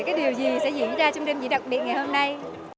cái điều gì sẽ diễn ra trong đêm diễn đặc biệt ngày hôm nay